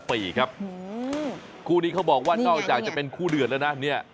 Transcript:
คู่นี้เขาบอกว่านอกจากจะเป็นคู่เดือดแล้วนะเนี่ย